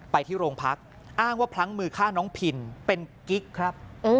ไปที่โรงพักอ้างว่าพลั้งมือฆ่าน้องพินเป็นกิ๊กครับ